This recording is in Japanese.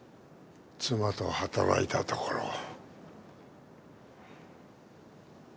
妻と働いたところ。